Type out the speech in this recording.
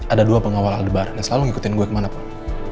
ada dua pengawal aldebar yang selalu ngikutin gue kemana pun